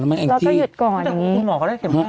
ให้เขาฉีดกันไปก่อนไหม